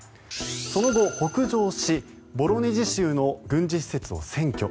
その後、北上しボロネジ州の軍事施設を占拠。